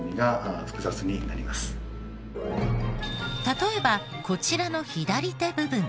例えばこちらの左手部分。